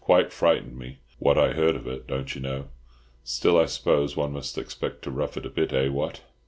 Quite frightened me, what I heard of it, don't you know. Still, I suppose one must expect to rough it a bit. Eh, what!"